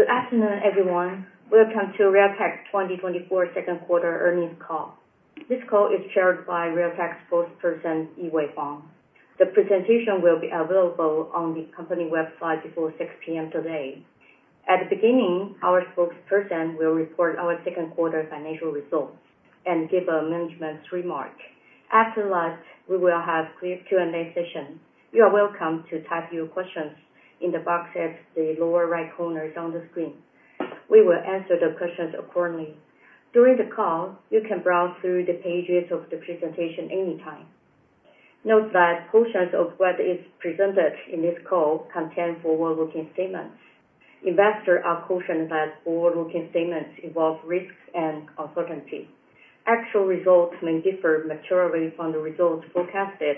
Good afternoon everyone. Welcome to Realtek's 2024 Q2 Earnings Call. This call is chaired by Realtek's spokesperson Yee-Wei Huang. The presentation will be available on the company website before 6:00 P.M. today. At the beginning, our spokesperson will report our Q2 financial results and give a management's remark. After that we will have a Q and A session. You are welcome to type your questions in the box at the lower right corners on the screen. We will answer the questions accordingly during the call. You can browse through the pages of the presentation anytime. Note that portions of what is presented in this call contain forward-looking statements. Investors are cautioned that forward-looking statements involve risks and uncertainty. Actual results may differ materially from the results forecasted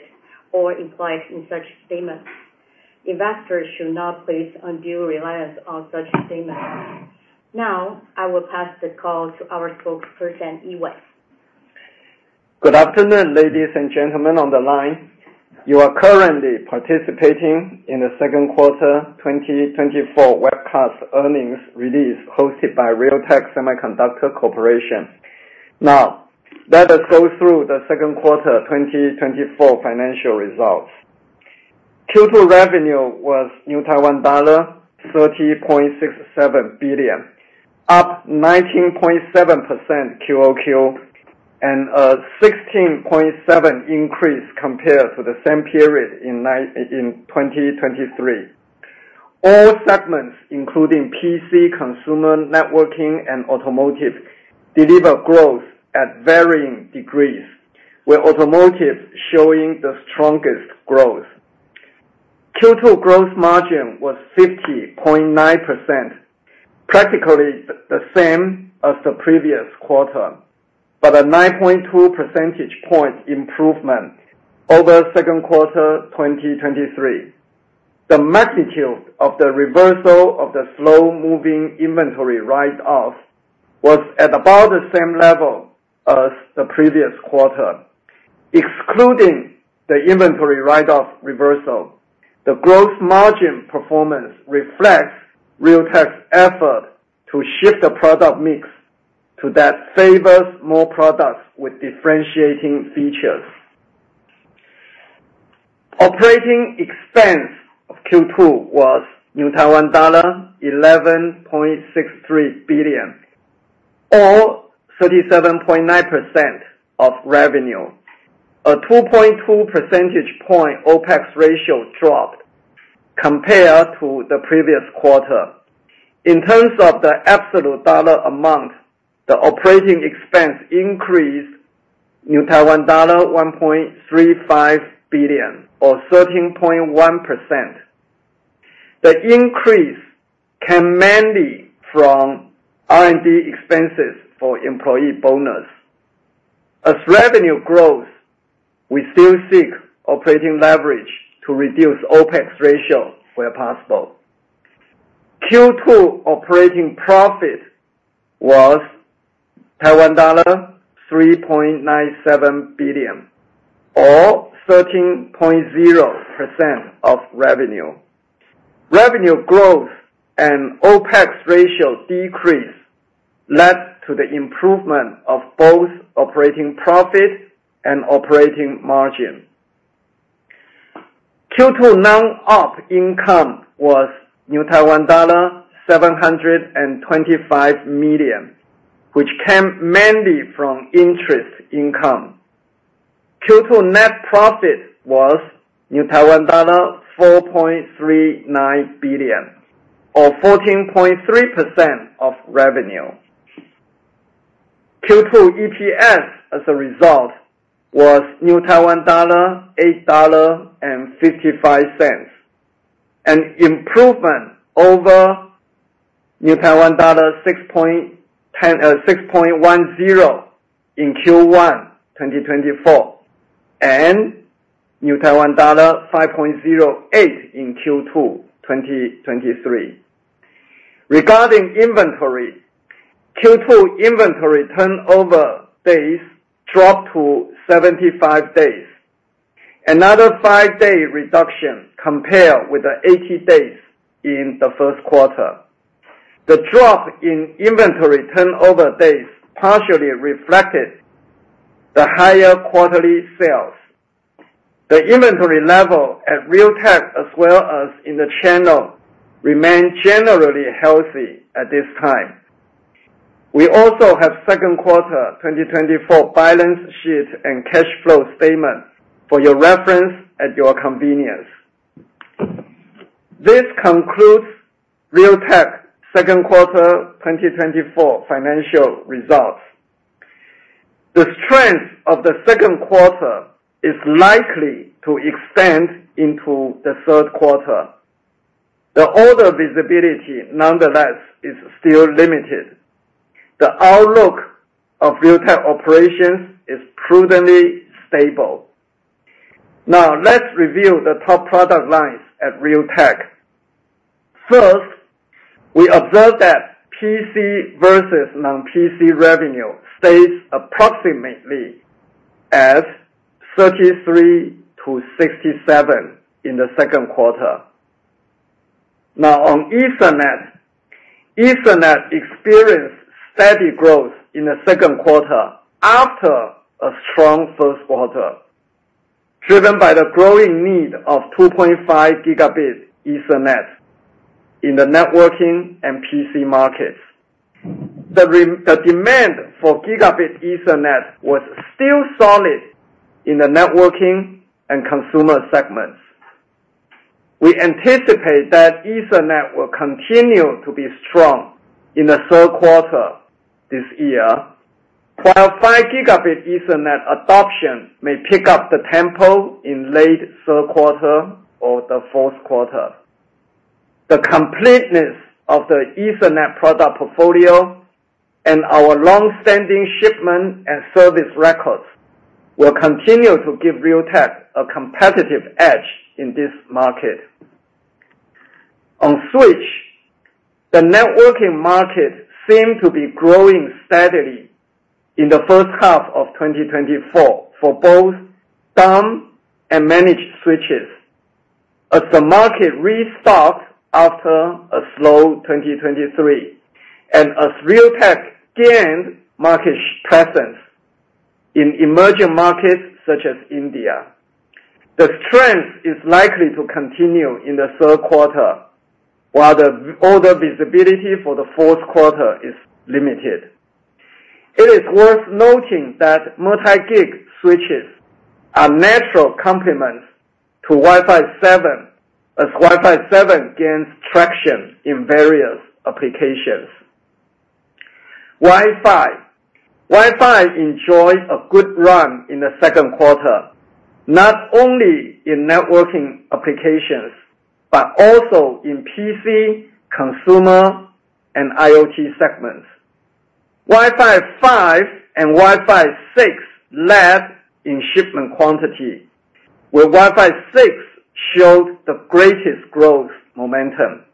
or implied in such statements. Investors should not place undue reliance on such statements. Now I will pass the call to our spokesperson Yee-Wei. Good afternoon ladies and gentlemen on the line. You are currently participating in the Q2 2024 webcast earnings release hosted by Realtek Semiconductor Corporation. Now let us go through the Q2 2024 financial results. Q2 revenue was TWD 30.67 billion, up 19.7% quarter-over-quarter and a 16.7% increase compared to the same period in 2023. All segments including PC, Consumer, Networking and Automotive and deliver growth at varying degrees with Automotive showing the strongest growth. Q2 gross margin was 50.9%, practically the same as the previous quarter but a 9.2 percentage point improvement over Q2 2023. The magnitude of the reversal of the slow moving inventory write-off was at about the same level as the previous quarter excluding the inventory write-off reversal. The gross margin performance reflects Realtek's effort to shift the product mix to that favors more products with differentiating features. Operating expense of Q2 was 11.63 billion or 37.9% of revenue. A 2.2 percentage point opex ratio dropped compared to the previous quarter. In terms of the absolute dollar amount. The operating expense increased TWD 1.35 billion or 13.1%. The increase came mainly from R&D expenses for employee bonus. As revenue grows, we still seek operating leverage to reduce OPEX ratio where possible. Q2 operating profit was TWD 3.97 billion or 13.0% of revenue. Revenue growth and OPEX ratio decrease led to the improvement of both operating profit and operating margin. Q2 non-op income was Taiwan dollar 725 million which came mainly from interest income. Q2 net profit was Taiwan dollar 4.39 billion or 14.3% of revenue. Q2 EPS as a result was 8.55 dollar, an improvement over Taiwan dollar 6.10 in Q1 2024 and TWD 5.08 in Q2 2023. Regarding inventory, Q2 inventory turnover days dropped to 75 days, another five-day reduction compared with the 80 days in the Q1. The drop in inventory turnover days partially reflected the higher quarterly sales. The inventory level at Realtek as well as in the channel remained generally healthy at this time. We also have Q2 2024 balance sheet and cash flow statement for your reference at your convenience. This concludes Realtek Q2 2024 Financial Results. The strength of the Q2 is likely to extend into the Q3. The order visibility nonetheless is still limited. The outlook of Realtek operations is prudently stable. Now let's review the top product lines at Realtek. First we observe that PC versus non-PC revenue stays approximately at 33 to 67 in the Q2. Now on Ethernet, Ethernet experienced steady growth in the Q2. After a strong Q1 driven by the growing need of 2.5 Gigabit Ethernet in the networking and PC markets, the demand for Gigabit Ethernet was still solid in the networking and consumer segments. We anticipate that Ethernet will continue to be strong in the Q3 this year, while 5 Gigabit Ethernet adoption may pick up the tempo in late Q3 or the Q4. The completeness of the Ethernet product portfolio and our long-standing shipment and service records will continue to give Realtek a competitive edge in this market. On switches, the networking market seemed to be growing steadily in the first half of 2024 for both dumb and managed switches. As the market restocked after a slow 2023 and as Realtek gained market presence in emerging markets such as India, the strength is likely to continue in the Q3. While the order visibility for the Q4 is limited. It is worth noting that multi-gig switches are natural complements to Wi-Fi 7 as Wi-Fi 7 gains traction in various applications. Wi-Fi enjoyed a good run in the Q2, not only in networking applications but also in PC consumer and IoT segments. Wi-Fi 5 and Wi-Fi 6 led in shipment quantity where Wi-Fi 6 showed the greatest growth momentum.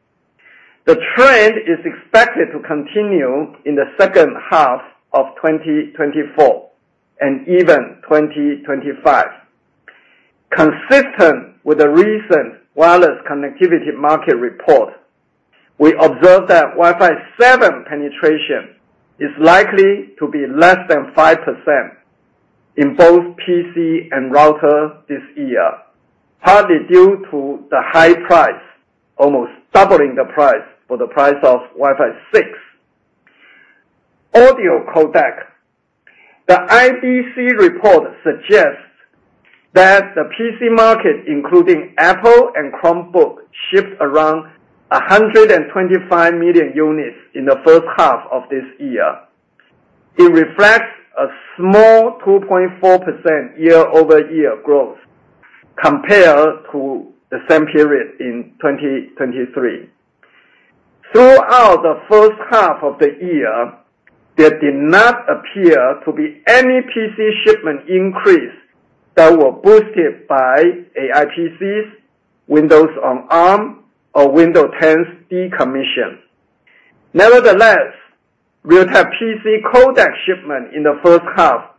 The trend is expected to continue in the second half of 2024 and even 2025. Consistent with the recent Wireless Connectivity Market report, we observed that Wi-Fi 7 penetration is likely to be less than 5% in both PC and router this year, partly due to the high price, almost doubling the price for the price of Wi-Fi 6. Audio codec. The IDC report suggests that the PC market, including Apple and Chromebook, shipped around 125 million units in the first half of this year. It reflects a small 2.4% year-over-year growth compared to the same period in 2023. Throughout the first half of the year, there did not appear to be any PC shipment increase that were boosted by AI PCs, Windows on ARM or Windows 10 decommission. Nevertheless, we have PC codec shipment in the first half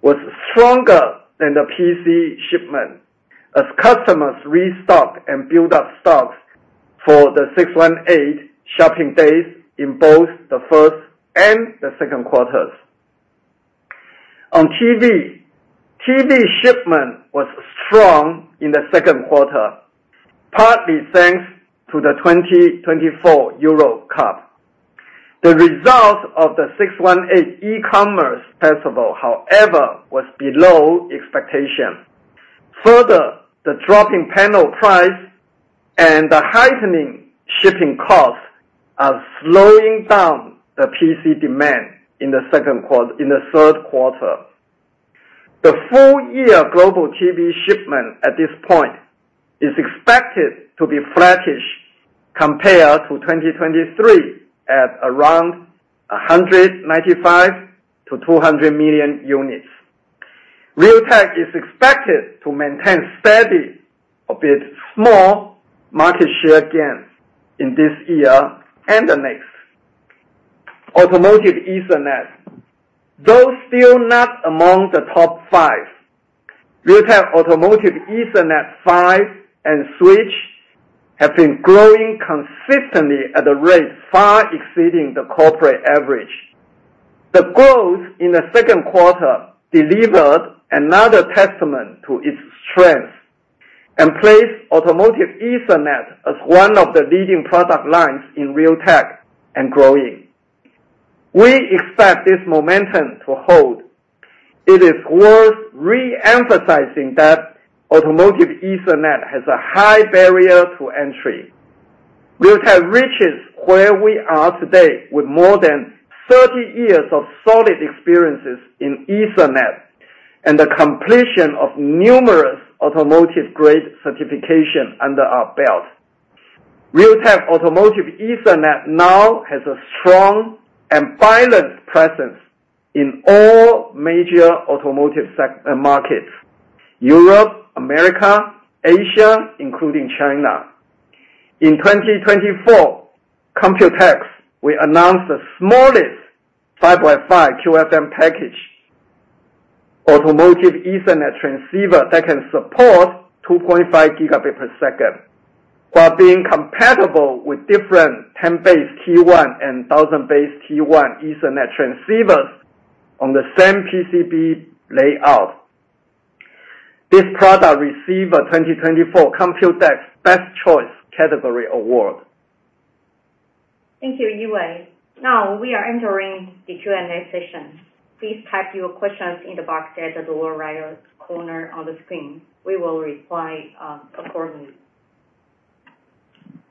was stronger than the PC shipment as customers restocked and built up stocks for the 618 shopping days in both the first and the Q2s. On TV shipment was strong in the Q2, partly thanks to the 2024 Eurocup. The result of the 618 e-commerce festival, however, was below expectation. Further, the dropping panel price and the heightening shipping costs are slowing down the PC demand in the Q3. The full year global TV shipment at this point is expected to be flattish compared to 2023 at around 195-200 million units. Realtek is expected to maintain steady a bit small market share gain in this year and the next. Automotive Ethernet. Though still not among the top five, Realtek Automotive Ethernet PHY and Switch have been growing consistently at a rate far exceeding the corporate average. The growth in the Q2 delivered another testament to its strength and placed Automotive Ethernet as one of the leading product lines in Realtek and growing. We expect this momentum to hold. It is worth reemphasizing that Automotive Ethernet has a high barrier to entry. Realtek reaches where we are today with more than 30 years of solid experiences in Ethernet and the completion of numerous automotive grade certifications under our belt. Realtek Automotive Ethernet now has a strong and vibrant presence in all major automotive markets: Europe, America, Asia, including China. In 2024 Computex, we announced the smallest 5.5 QFN package Automotive Ethernet transceiver that can support 2.5 Gbps while being compatible with different 10BASE-T1 and 1000BASE-T1 Ethernet transceivers on the same PCB layout. This product received a 2024 Computex Best Choice category award. Thank you, Yee-Wei. Now we are entering the Q and A session. Please type your questions in the box at the lower right corner on the screen. We will reply accordingly.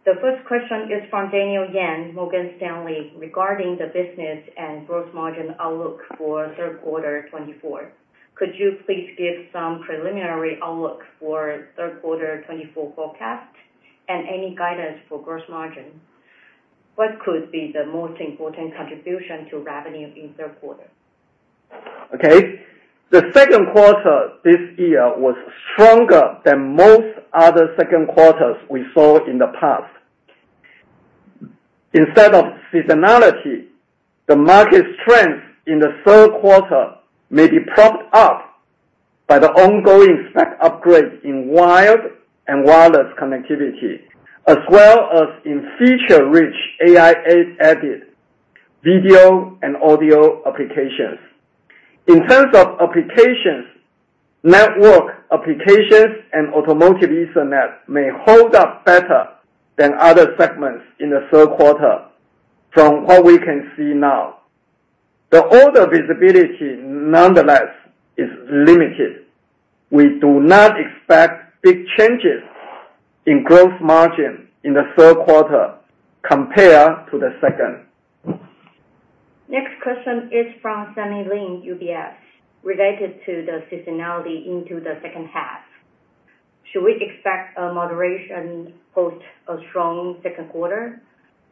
The first question is from Daniel Yang, Morgan Stanley regarding the business and gross margin outlook for Q3 2024. Could you please give some preliminary outlook for Q3 2024 forecast and any guidance for gross margin? What could be the most important contribution to revenue in Q3? Okay, the Q2 this year was stronger than most other Q2s we saw in the past. Instead of seasonality, the market strength in the Q3 may be propped up by the ongoing spec upgrade in wired and wireless connectivity as well as in feature rich AI added video and audio applications. In terms of applications, network applications and Automotive Ethernet may hold up better than other segments in the Q3. From what we can see now, the order visibility nonetheless is limited. We do not expect big changes in gross margin in the Q3 compared to the second. Next question is from Sunny Lin, UBS, related to the seasonality into the second half. Should we expect a moderation post a strong Q2?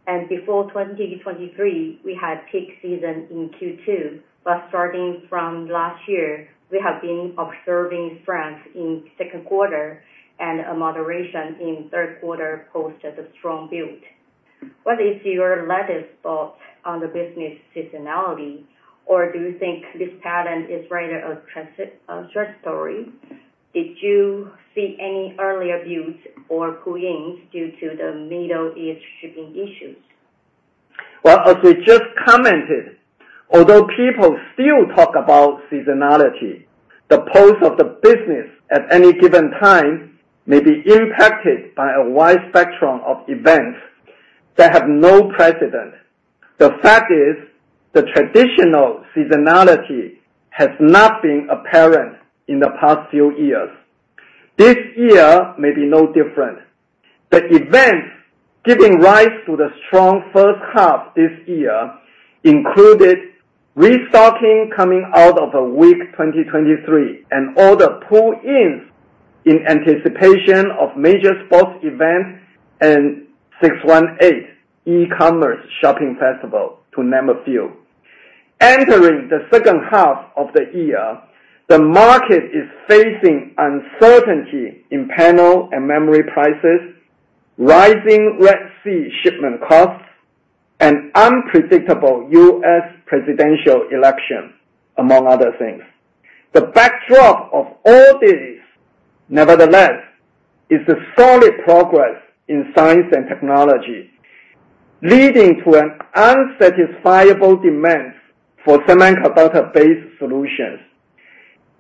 And before 2023 we had peak season in Q2, but starting from last year we have been observing strength in Q2 and a moderation in Q3 post a strong build. What is your latest thought on the business seasonality or do you think this pattern is rather attractive? Did you see any earlier builds or pull-ins due to the Middle East shipping issues? Well, as we just commented, although people still talk about seasonality, the pace of the business at any given time may be impacted by a wide spectrum of events that have no precedent. The fact is, the traditional seasonality has not been apparent in the past few years. This year may be no different. The events giving rise to the strong first half this year included restocking coming out of a weak 2023 and all the pull-ins in anticipation of major sports events and 618 e-commerce shopping festival, to name a few. Entering the second half of the year, the market is facing uncertainty in panel and memory prices, rising Red Sea shipment costs, and unpredictable U.S. Presidential election among other things, the backdrop of these days. Nevertheless, there is solid progress in science and technology leading to an insatiable demand for semiconductor-based solutions.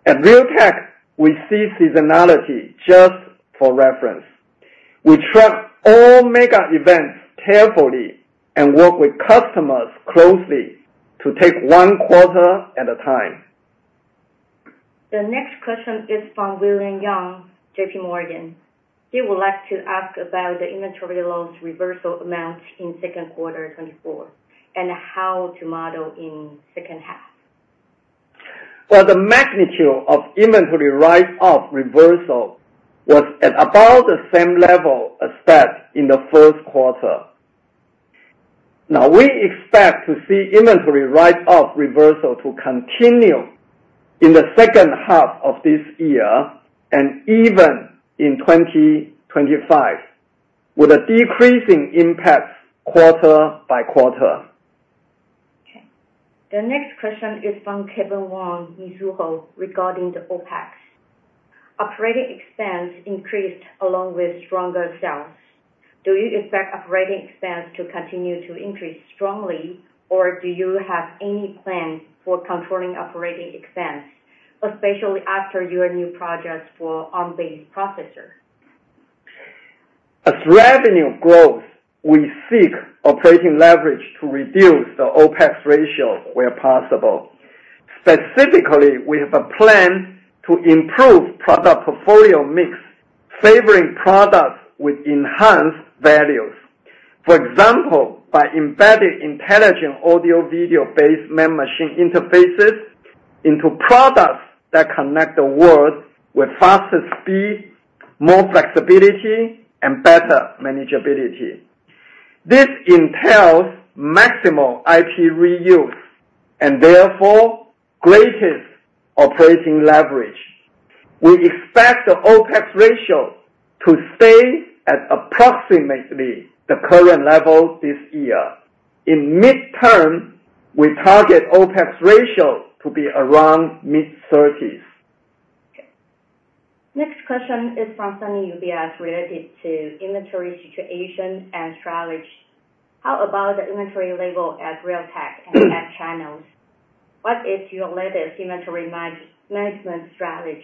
At Realtek we see seasonality just for reference. We track all mega events carefully and work with customers closely to take one quarter at a time. The next question is from William Yang, J.P. Morgan. He would like to ask about the inventory loss reversal amount in Q2 2024 and how to model in second half. Well, the magnitude of inventory write-off reversal was at about the same level as that in the Q1. Now we expect to see inventory write-off reversal to continue in the second half of this year and even in 2025 with a decreasing impact quarter by quarter. The next question is from Kevin Wang, Mizuho. Regarding the OPEX operating expense increased along with stronger sales, do you expect operating expense to continue to increase strongly or do you have any plan for controlling operating expense especially after your new projects for ARM-based processor? As revenue grows, we seek operating leverage to reduce the OPEX ratio where possible. Specifically, we have a plan to improve product portfolio mix favoring products with enhanced values, for example by embedding intelligent audio video based man-machine interfaces into products that connect the world with faster speed, more flexibility and better manageability. This entails maximal IP reuse and therefore greatest operating leverage. We expect the OPEX ratio to stay at approximately the current level this year. In mid-term we target OPEX ratio to be around mid-30s. Next question is from Sunny at UBS related to inventory situation and strategy. How about the inventory level at Realtek and tech channels? What is your latest inventory management strategy?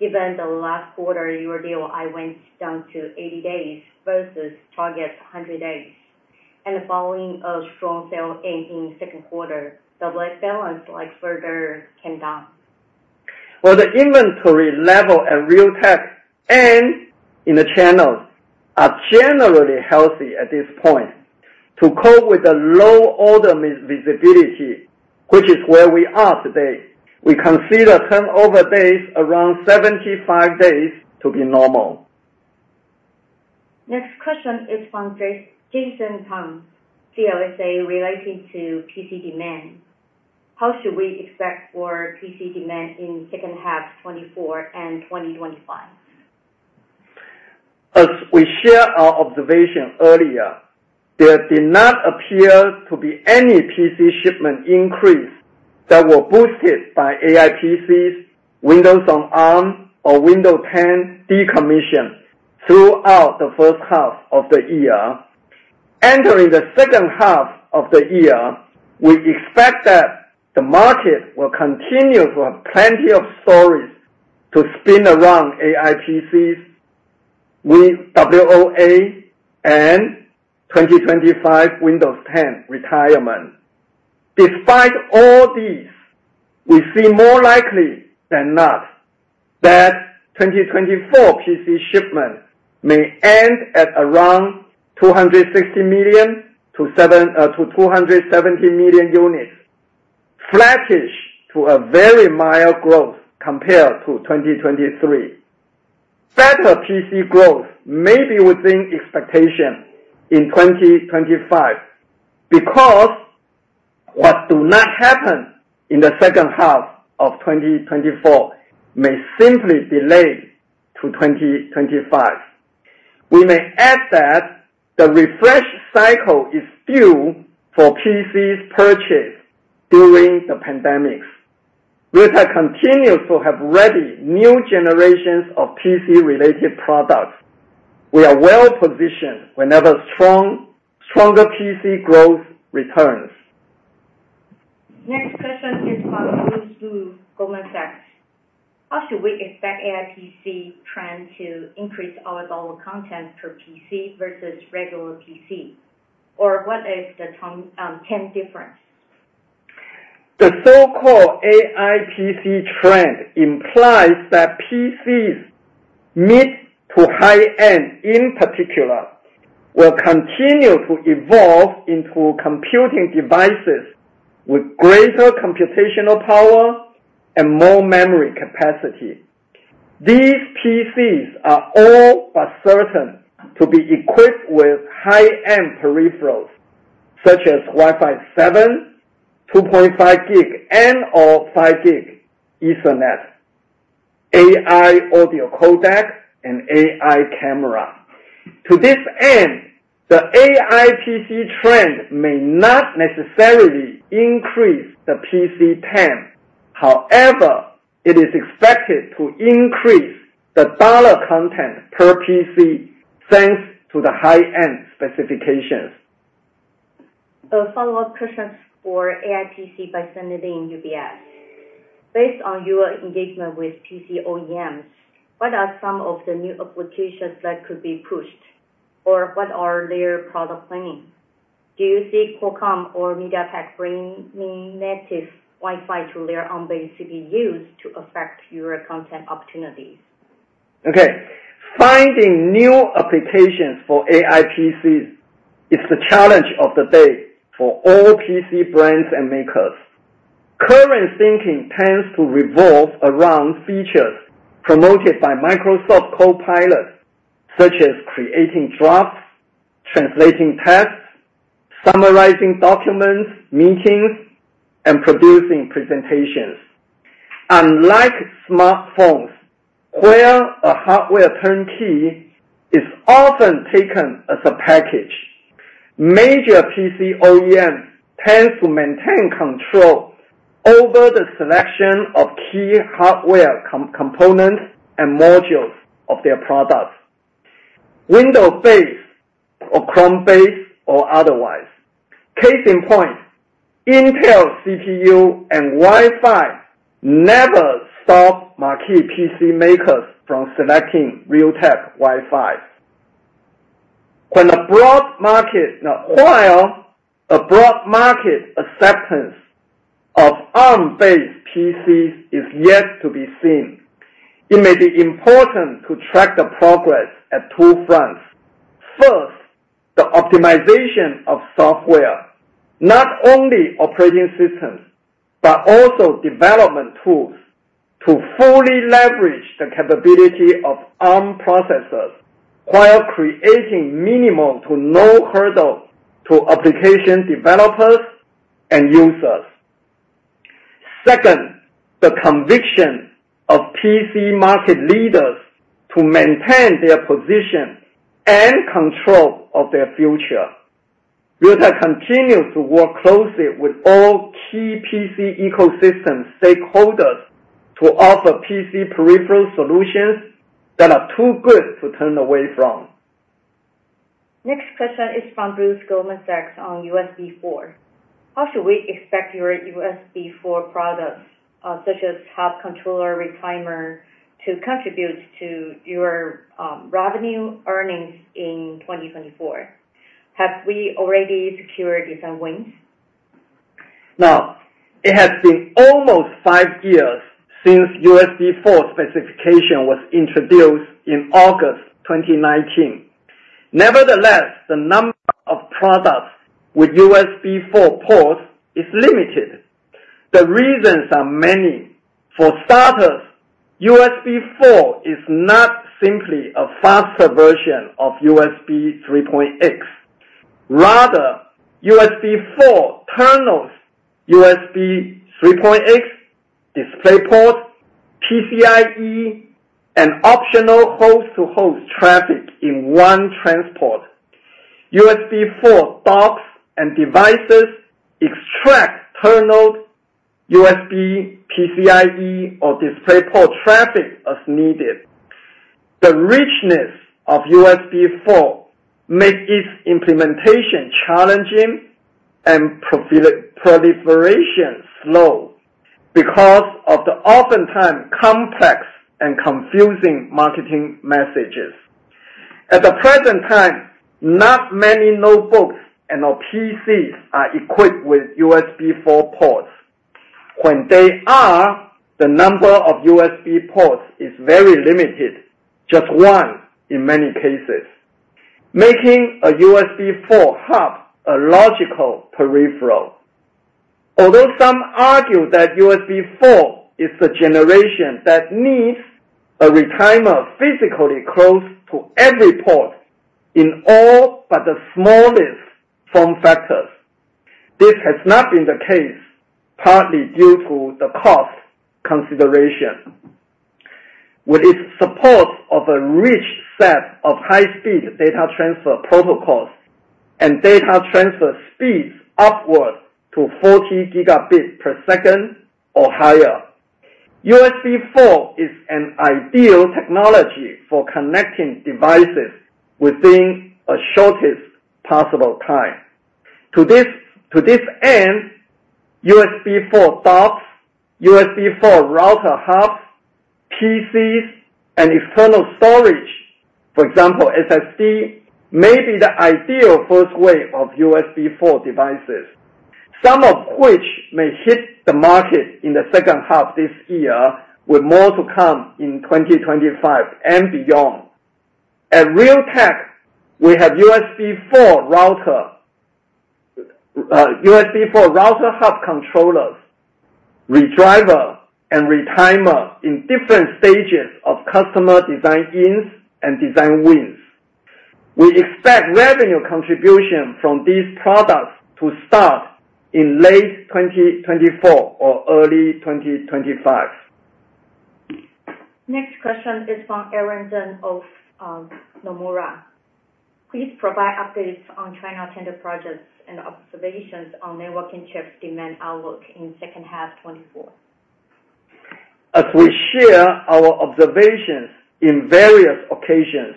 Given the last quarter your DOI went down to 80 days versus target 100 days and following a strong sell end in Q2 the balance like further came down well. The inventory level at Realtek and in the channels are generally healthy at this point. To cope with the low order visibility which is where we are today, we consider Turnover days around 75 days to be normal. Next question is from Jason Tang, CLSA, relating to PC demand. How should we expect for PC demand in second half 2024 and 2025? As we shared our observation earlier, there did not appear to be any PC shipment increase that were boosted by AI PC's Windows on ARM or Windows 10 decommission throughout the first half of the year. Entering the second half of the year, we expect that the market will continue to have plenty of stories to spin around AI PCs WOA and 2025 Windows 10 retirement. Despite all these, we seem more likely than not that 2024 PC shipment may end at around 260 million to 270 million units, flattish to a very mild growth compared to 2023. Better PC growth may be within expectation in 2025 because what do not happen in the second half of 2024 may simply delay to 2025. We may add that the refresh cycle is due for PCs purchase during the pandemics. Realtek continues to have ready new generations of PC related products. We are well positioned whenever stronger PC growth returns. Next question is from Goldman Sachs. How should we expect AI PC trend to increase our dollar content per PC versus regular PC or what is the 10 difference? The so-called AIPC trend implies that PCs mid- to high-end in particular will continue to evolve into computing devices with greater computational power and more memory capacity. These PCs are all but certain to be equipped with high-end peripherals such as Wi-Fi 7, 2.5G and/or 5G Ethernet, AI audio codec, and AI camera. To this end, the AI PC trend may not necessarily increase the PC time. However, it is expected to increase the dollar content per PC thanks to the high-end specifications. A follow-up question for AI PC by Sammy Lin, UBS. Based on your engagement with PC OEMs, what are some of the new applications that could be pushed or what are their product planning? Do you see Qualcomm or MediaTek bringing native Wi-Fi to layer on base CPUs to affect your content opportunities? Okay, finding new applications for AI PCs is the challenge of the day for all PC brands and makers. Current thinking tends to revolve around features promoted by Microsoft Copilot such as creating drafts, translating tests, summarizing documents, meetings, and producing presentations. Unlike smartphones where a hardware turnkey is often taken as a package, major PC OEMs tend to maintain control over the selection of key hardware components and modules of their products, Windows-based or Chrome-based or otherwise. Case in point, Intel CPU and Wi-Fi never stop marquee PC makers from selecting Realtek Wi-Fi when a broad market. While a broad market acceptance of ARM-based PCs is yet to be seen, it may be important to track the progress at two fronts. First, the optimization of software not only operating systems but also development tools to fully leverage the capability of ARM processors while creating minimum to no hurdle to application developers and users. Second, the conviction of PC market leaders to maintain their position and control of their future. VITA continues to work closely with all key PC ecosystem stakeholders to offer PC peripheral solutions that are too good to turn away from. Next question is from Bruce Lu, Goldman Sachs on USB4. How should we expect your USB4 product such as Hub Controller Retimer to contribute to your revenue earnings in 2024? Have we already secured design wins now? It has been almost five years since USB4 specification was introduced in August 2019. Nevertheless, the number of products with USB4 ports is limited. The reasons are many. For starters, USB4 is not simply a faster version of USB 3.2. Rather, USB4 terminals, USB 3.2 DisplayPort, PCIe and optional host-to-host traffic in one transport. USB4 docks and devices extract terminal, USB PCIe or DisplayPort traffic as needed. The richness of USB4 makes its implementation challenging and proliferation slow because of the oftentimes complex and confusing marketing messages. At the present time, not many notebooks and PCs are equipped with USB4 ports when the number of USB ports is very limited, just one in many cases, making a USB4 hub a logical peripheral. Although some argue that USB4 is the generation that needs a retimer physically close to every port in all but the smallest form factors, this has not been the case, partly due to the cost consideration. With its support of a rich set of high speed data transfer protocols and data transfer speeds upward to 40 Gbps or higher, USB4 is an ideal technology for connecting devices within a shortest possible time. To this end, USB4 docks, USB4 router hubs, PCs and external storage for example SSD may be the ideal first wave of USB4 devices, some of which may hit the market in the second half this year, with more to come in 2025 and beyond. At Realtek we have USB4 router hub controllers, redriver and Retimer in different stages of customer design-ins and design wins. We expect revenue contribution from these products to start in late 2024 or early 2025. Next question is from Aaron Zheng of Nomura. Please provide updates on China Tender projects and observations on networking chips. Demand outlook in second half 2024 as. We share our observations in various occasions.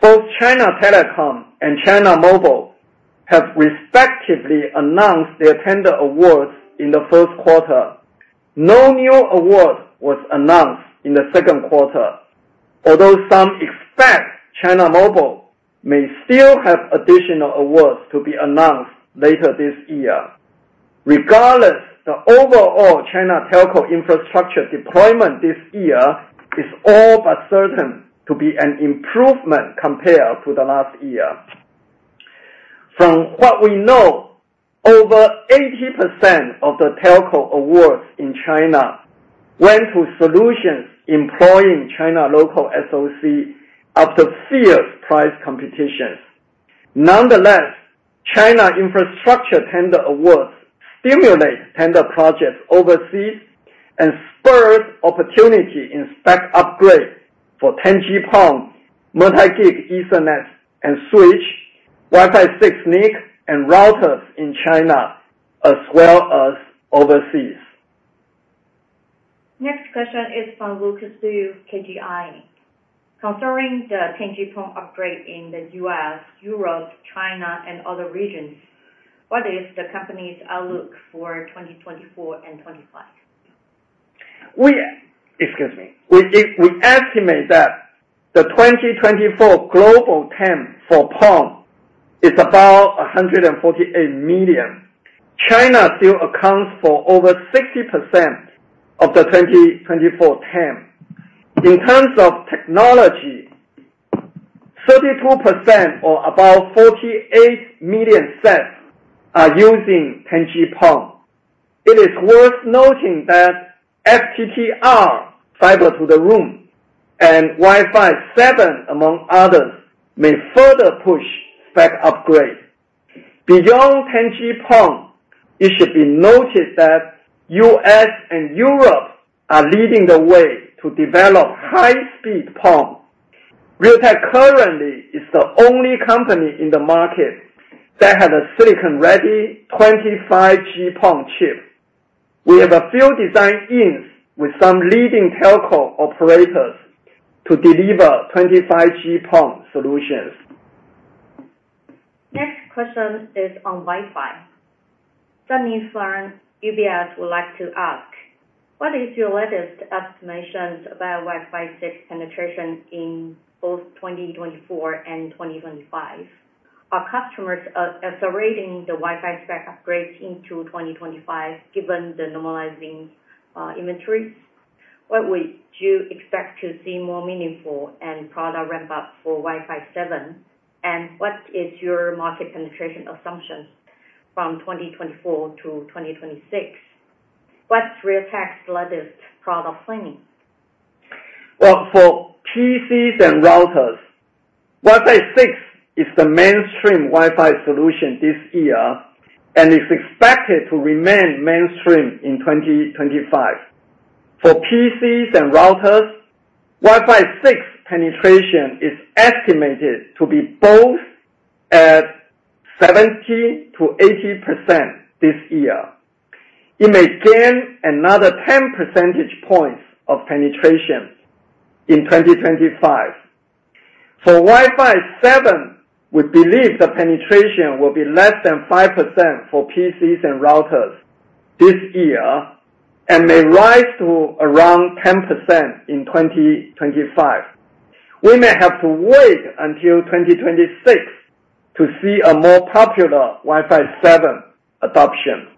Both China Telecom and China Mobile have respectively announced their tender awards in the Q1. No new award was announced in the Q2, although some expect China Mobile may still have additional awards to be announced later this year. Regardless, the overall China Telco infrastructure deployment this year is all but certain to be an improvement compared to the last year. From what we know, over 80% of the telco awards in China went to solutions employing China local SOC after fierce price competition. Nonetheless, China infrastructure tender awards stimulate tender projects overseas and spurred opportunity in spec upgrade for 10G PON, multi-gig Ethernet and switch, Wi-Fi 6 NIC and routers in China as well as overseas. Next question is from Lucas Liu, KGI. Considering the 10G PON upgrade in the U.S., Europe, China and other regions, what is the company's outlook for 2024 and 2025? We estimate that the 2024 global TAM for PON is about 148 million. China still accounts for over 60% of the 2024 TAM. In terms of technology, 32% or about 48 million cells are using XGS-PON. It is worth noting that FTTR, fiber to the room and Wi-Fi 7 among others may further push spec upgrade beyond 10G PON. It should be noted that U.S. and Europe are leading the way to develop high-speed PON. Realtek currently is the only company in the market that had a silicon-ready 25G PON chip. We have a few design-ins with some leading telco operators to deliver 25G PON solutions. Next question is on Wi-Fi. The analyst from UBS would like to ask what is your latest estimation about Wi-Fi 6 penetration in both 2024 and 2025? Are customers accelerating the Wi-Fi spec upgrades into 2025? Given the normalizing inventories, what would you expect to see more meaningful and product ramp up for Wi-Fi 7 and what is your market penetration assumption from 2024 to 2026? What's Realtek's latest product planning? Well, for PCs and routers, Wi-Fi 6 is the mainstream Wi-Fi solution this year and is expected to remain mainstream in 2025 for PCs and routers. Wi-Fi 6 penetration is estimated to be both at 70%-80% this year. It may gain another 10 percentage points of penetration in 2025 for Wi-Fi 7. We believe the penetration will be less than 5% for PCs and routers this year and may rise to around 10% in 2025. We may have to wait until 2026 to see a more popular Wi-Fi 7 adoption.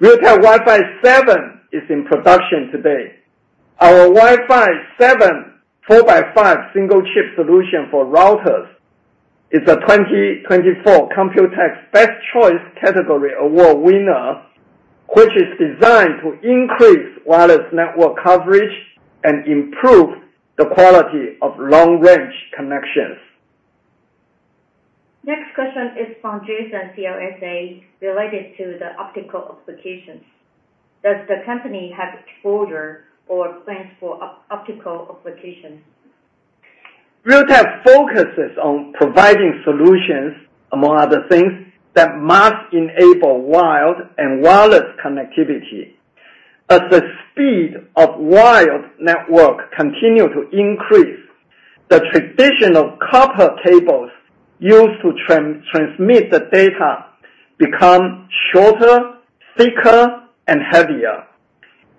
Realtek Wi-Fi 7 is in production today. Our Wi-Fi 7 4x5 single chip solution for routers is a 2024 Computex Best Choice category award winner which is designed to increase our wireless network coverage and improve the quality of long-range connections. Next question is from Jason, CLSA, related to the optical applications. Does the company have exposure or plans for optical application? Realtek focuses on providing solutions, among other things that must enable wired and wireless connectivity. As the speed of wired networks continues to increase, the traditional copper cables used to transmit the data become shorter, thicker and heavier.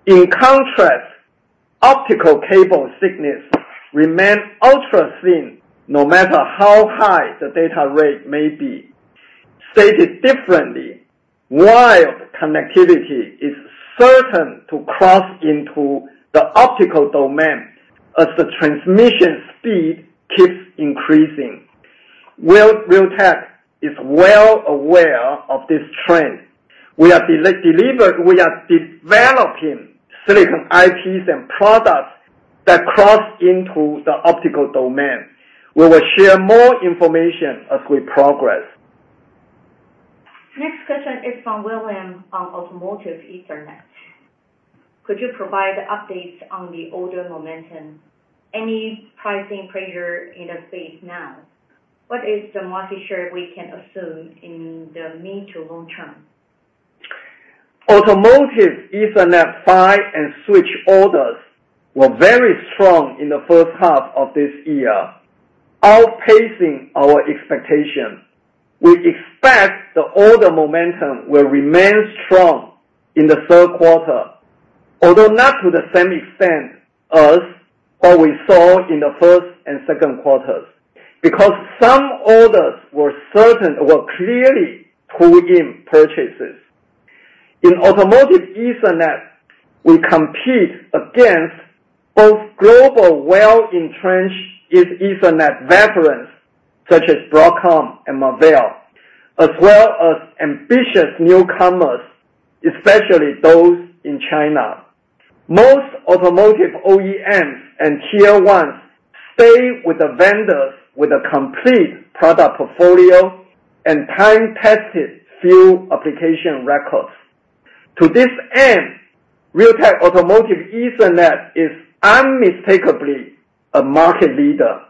In contrast, optical cable thickness remains ultra thin no matter how high the data rate. Maybe stated differently, wired connectivity is certain to cross into the optical domain as the transmission speed keeps increasing. Realtek is well aware of this trend. We are developing silicon IPs and products that cross into the optical domain. We will share more information as we progress. Next question is from William on Automotive Ethernet. Could you provide updates on the order momentum, any pricing pressure in the space now? What is the market share we can assume in the mid to long term? Automotive Ethernet PHY and switch orders were very strong in the first half of this year, outpacing our expectation. We expect the order momentum will remain strong in the Q3, although not to the same extent as what we saw in the first and Q2s because some orders were certain clearly pull in purchases. In Automotive Ethernet we compete against both global well entrenched Ethernet veterans such as Broadcom and Marvell as well as ambitious newcomers, especially those in China. Most automotive OEMs and Tier 1s stay with the vendors with a complete product portfolio and time tested few application records. To this end, Realtek Automotive Ethernet is unmistakably a market leader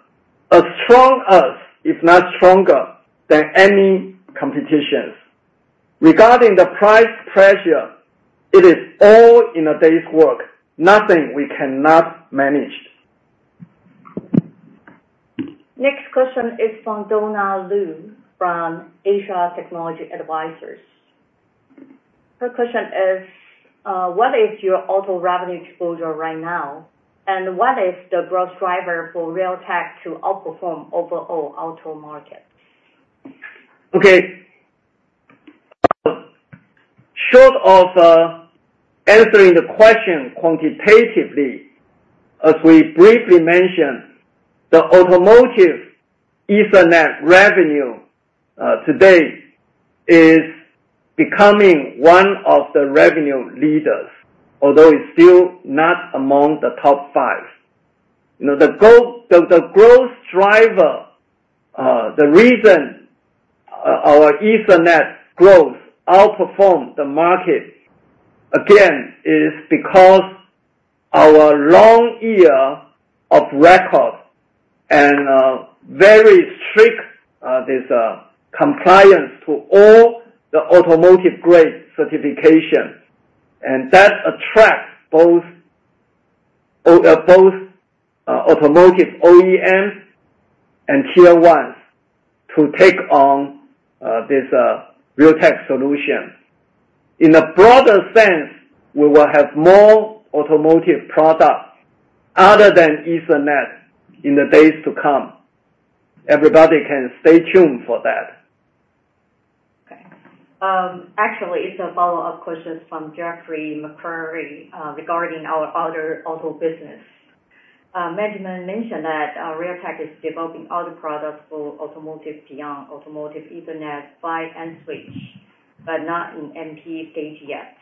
as strong as if not stronger than any competition regarding the price pressure. It is all in a day's work, nothing we cannot manage. Next question is from Donna Liu from Asia Technology Advisors. Her question is what is your auto revenue exposure right now and what is the growth driver for Realtek to outperform overall auto market? Okay, short of answering the question quantitatively, as we briefly mentioned, the Automotive Ethernet revenue today is becoming one of the revenue leaders, although it's still not among the top five the growth driver. The reason our Ethernet growth outperformed the market again is because our long year of record and very strict this compliance to all the automotive grade certification and that attracts both automotive OEMs and Tier 1 to take on this Realtek solution. In a broader sense, we will have more automotive products other than Ethernet in the days to come. Everybody can stay tuned for that. Actually, it's a follow-up question from Jeffrey at Macquarie regarding our other auto business. Management mentioned that Realtek is developing auto products for automotive beyond Automotive Ethernet, PHY and switch, but not in MPE stage yet.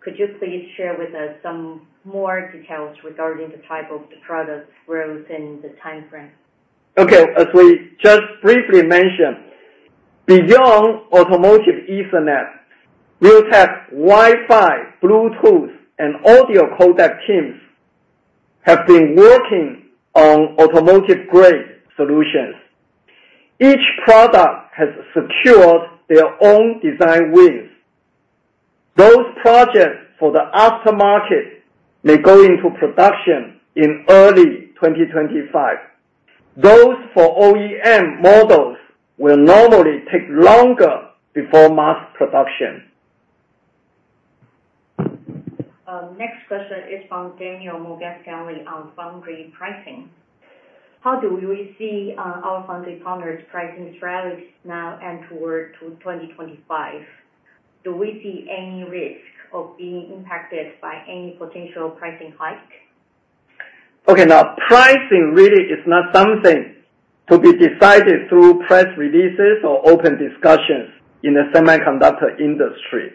Could you please share with us some more details regarding the type of the product within the time frame? Okay, as we just briefly mentioned, beyond Automotive Ethernet, Realtek Wi-Fi, Bluetooth and audio codec teams have been working on automotive-grade solutions. Each product has secured their own design wins. Those projects for the aftermarket may go into production in early 2025. Those for OEM models will normally take longer before mass product. Next question is from Daniel Yang, Morgan Stanley, on foundry pricing. How do we see our foundry partners' pricing strategies now and toward 2025? Do we see any risk of being impacted by any potential pricing hike? Okay, now pricing really is not something to be decided through press releases or open discussions in the semiconductor industry.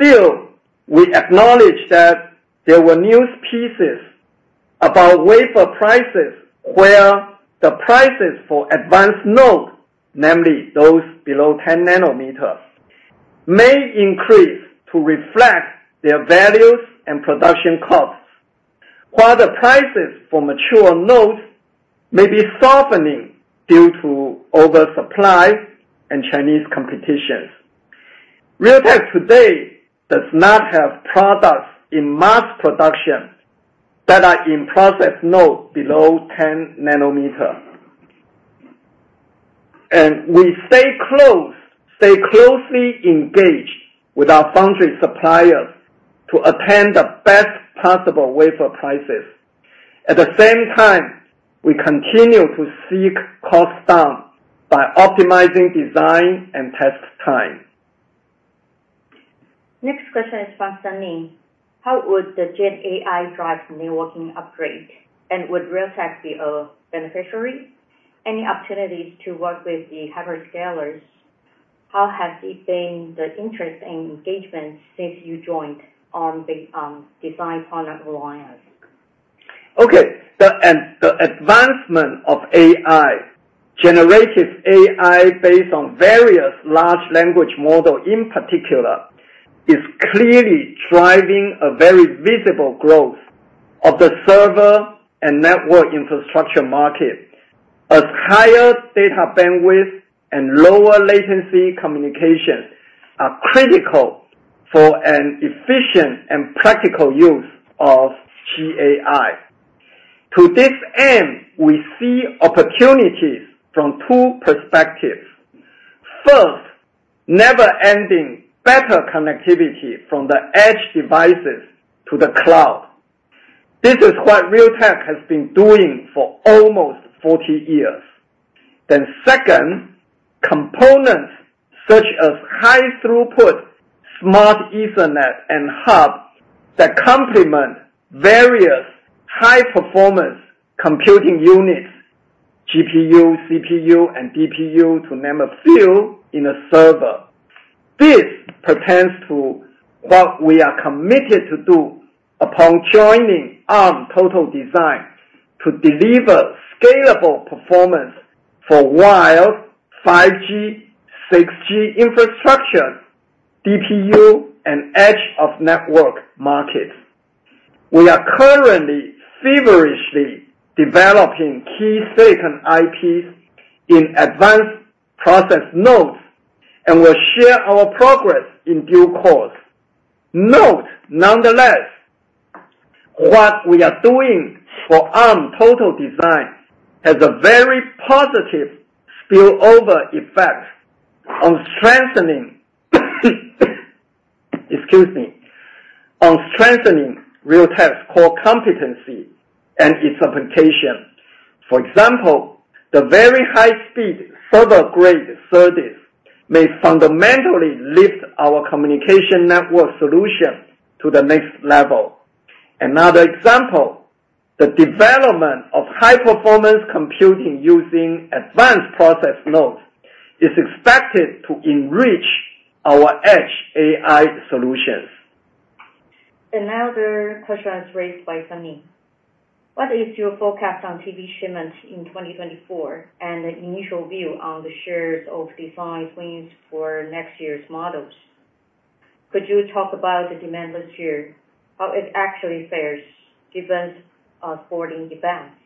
Still, we acknowledge that there were news pieces about wafer prices where the prices for advanced node, namely those below 10 nanometer may increase to reflect their values and production costs. While the prices for mature nodes may be softening due to oversupply and Chinese competitions, Realtek today does not have products in mass production that are in process node below 10 nanometer and we stay closely engaged with our foundry suppliers to attend the best possible wafer prices. At the same time we continue to seek cost down by optimizing design and test time. Next question is from Sunny. How would the Gen AI drive networking upgrade and would Realtek be a beneficiary? Any opportunities to work with the hyperscalers? How has it been the interest and engagement since you joined ARM big ARM design product lines? Okay, the advancement of AI generated AI based on various large language model in particular is clearly driving a very visible growth of the server and network infrastructure market as higher data bandwidth and lower latency communication are critical for an efficient and practical use of GAI. To this end we see opportunities from two perspectives. First, never ending better connectivity from the edge devices to the cloud. This is what Realtek has been doing for almost 40 years. Then second, components such as high throughput, Smart Ethernet and Hub that complement various high performance computing units GPU, CPU and DPU to name a few in a server. This pertains to what we are committed to do upon joining ARM Total Design to deliver scalable performance for wired 5G 6G infrastructure, DPU and edge of network markets. We are currently feverishly developing key silicon IPs in advanced process nodes and will share our progress in due course. Nonetheless, what we are doing for ARM Total design has a very positive spillover effect on strengthening, excuse me, on strengthening Realtek's core competency and its application. For example, the very high speed server grade SerDes may fundamentally lift our communication network solution to the next level. Another example, the development of high performance computing using advanced process nodes is expected to enrich our edge AI solutions. Another question is raised by Sunny: what is your forecast on TV shipment in 2024 and the initial view on the shares of the design wins for next year's models? Could you talk about the demand this year? How it actually fares given sporting events?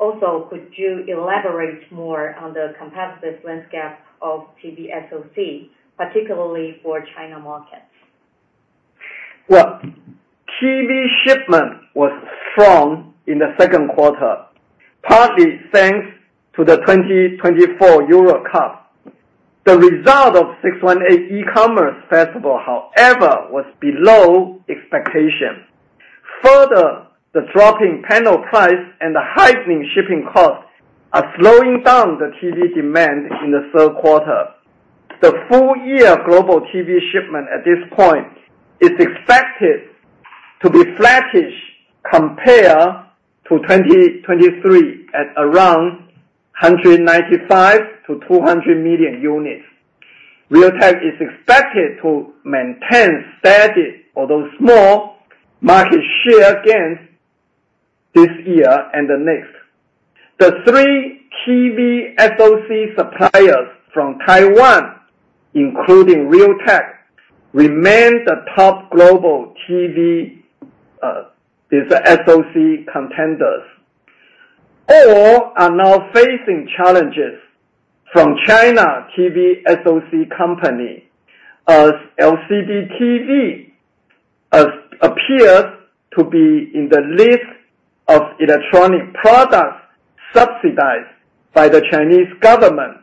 Also, could you elaborate more on the competitive landscape of TV SoC, particularly for China markets? Well, TV shipment was strong in the Q2 partly thanks to the 2024 Euro Cup. The result of 618 E-commerce Festival, however, was below expectation. Further, the dropping panel price and the heightening shipping cost are slowing down the TV demand in the Q3. The full year global TV shipment at this point is expected to be flattish compared to 2023 at around 195-200 million units. Realtek is expected to maintain steady although small market share gains this year and next. The three key SOC suppliers from Taiwan including Realtek remain the top global TV SOC contenders but are now facing challenges from China TV SoC company as LCD TV appears to be in the list of electronic products subsidized by the Chinese government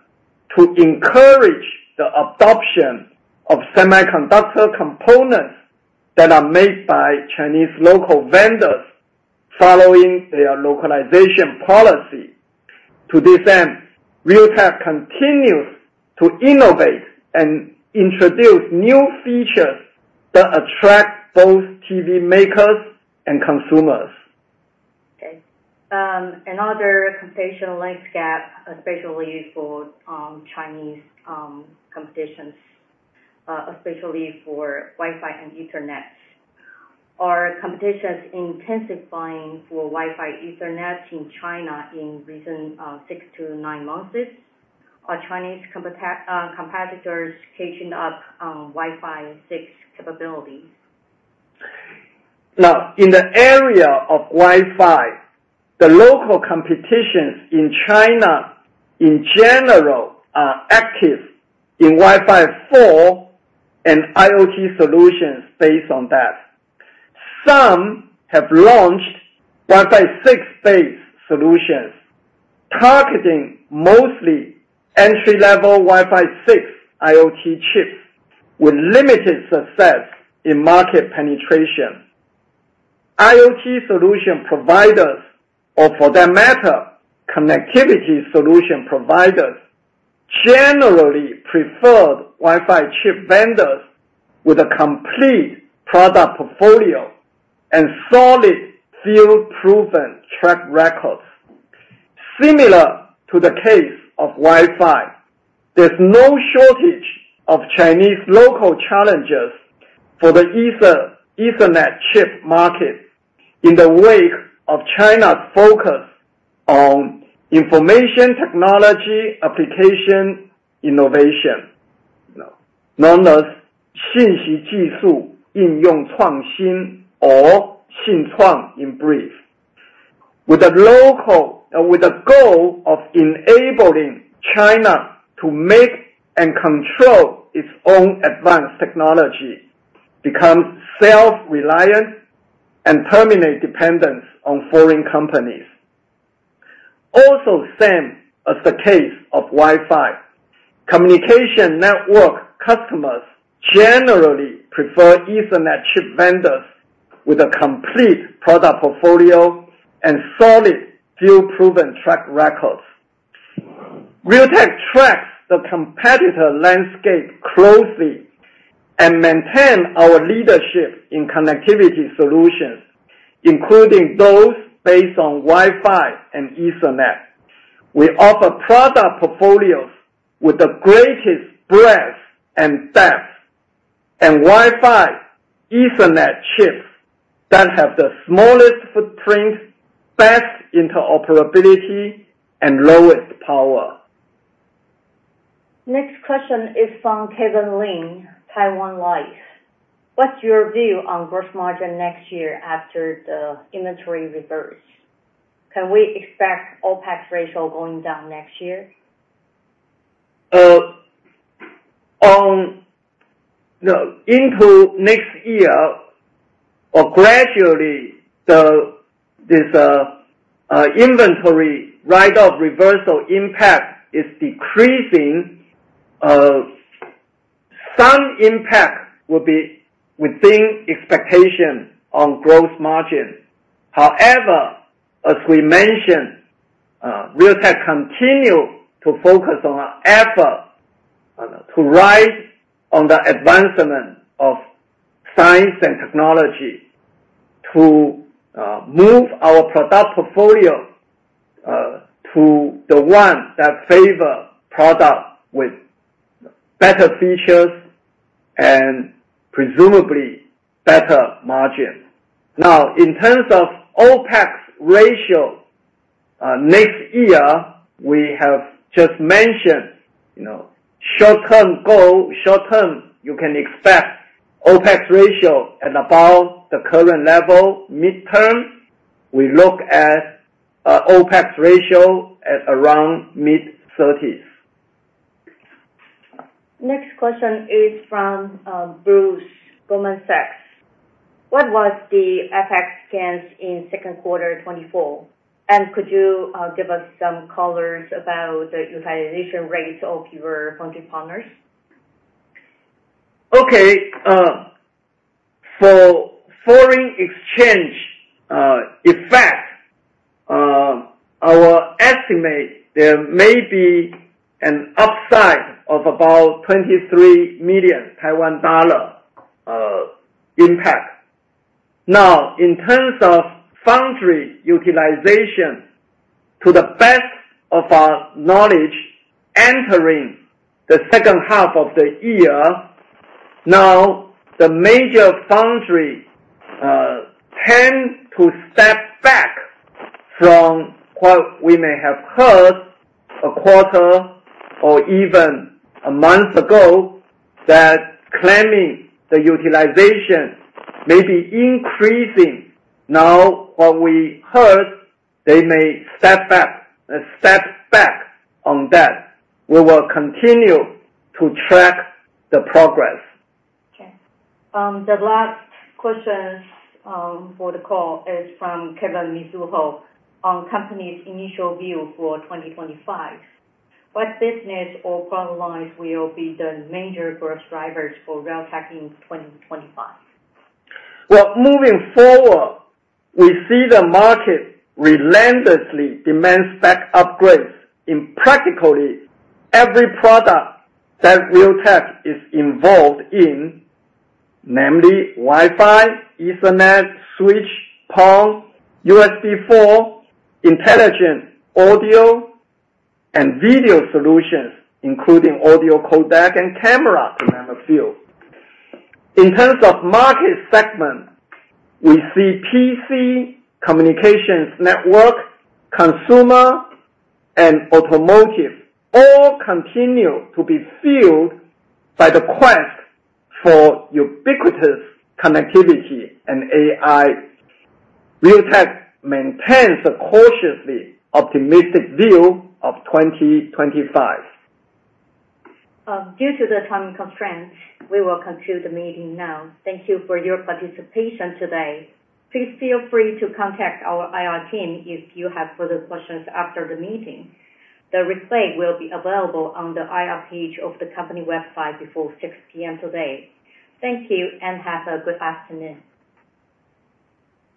to encourage the adoption of semiconductor components that are made by Chinese local vendors following their localization policy. To this end, Realtek continues to innovate and introduce new features that attract both TV makers and consumers. Another competitive landscape gap, especially for Chinese competitors, especially for Wi-Fi and Ethernet. Competition is intensifying for Wi-Fi Ethernet in China in recent six-nine months. Our Chinese competitors catching up Wi-Fi 6 capabilities. Now in the area of Wi-Fi, the local competitions in China in general are active in Wi-Fi 4 and IoT solutions. Based on that, some have launched Wi-Fi 6 based solutions targeting mostly entry level Wi-Fi 6 IoT chips with limited success in market penetration. IoT solution providers or for that matter connectivity solution providers generally prefer Wi-Fi chip vendors with a complete product portfolio and solid field proven track records similar to the case of Wi-Fi. There's no shortage of Chinese local challenges for the Ethernet chip market in the wake of China's focus on information technology application innovation known as Xin Xi, Jisu, Yin, Yongchuangxin or Xinchuang. In brief, with a goal of enabling China to make and control its own advanced technology, become self reliant and terminate dependence on foreign companies. Also same as the case of Wi-Fi communication network customers generally prefer Ethernet chip vendors with a complete product portfolio and solid deal-proven track records. Realtek tracks the competitor landscape closely and maintain our leadership in connectivity solutions including those based on Wi-Fi and Ethernet. We offer product portfolios with the greatest breadth and depth and Wi-Fi Ethernet chips that have the smallest footprint, best interoperability and lowest power. Next question is from Kevin Lin, Taiwan Life. What's your view on gross margin next year after the inventory reverse? Can we expect OPEX ratio going down next year. Going into next year or gradually this inventory write-off reversal impact is decreasing. Some impact will be within expectation on gross margin. However, as we mentioned, Realtek continue to focus on our effort to ride on the advancement of science and technology to move our product portfolio to the one that favor product with better features and presumably better margin. Now, in terms of OPEX ratio next year, we have just mentioned, you know, short-term goal. Short-term, you can expect OPEX ratio at about the current level. Mid-term, we look at OPEX ratio at around mid-30s. Next question is from Bruce Lu. What was the FX gains in Q2 2024 and could you give us some colors about the utilization rate of your foundry partners? Okay. For foreign exchange effect? Our estimate that there may be an upside of about 23 million Taiwan dollar impact now in terms of foundry utilization to the best of our knowledge entering the second half of the year now the major foundry tend to step back from what we may have heard a quarter or even a month ago that claiming the utilization may be increasing now what we heard they may step back step back on that. We will continue to track the progress. The last next question for the call is from Kevin Mizuho on company's initial view for 2025 what business or product lines will be the major growth drivers for Realtek in 2025? Well, moving forward we see the market relentlessly demands back upgrades in practically every product that Realtek is involved in, namely Wi-Fi, Ethernet switch, PON, USB4 intelligent audio and video solutions including audio, codec and camera, to name a few. In terms of market segment, we see PC, communications, network, consumer and automotive all continue to be filled by the quest for ubiquitous connectivity and AI. Realtek maintains a cautiously optimistic view of 2025. Due to the time constraints. We will conclude the meeting now. Thank you for your participation today. Please feel free to contact our IR team if you have further questions after the meeting. The replay will be available on the IR page of the company website before 6:00 P.M. today. Thank you and have a good afternoon.